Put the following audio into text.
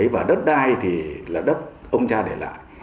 và đất đai thì là đất ông cha để lại